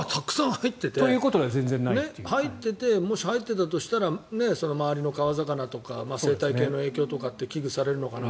入っていてもし入っていたら周りの川魚とか生態系の影響とかって危惧されるのかな。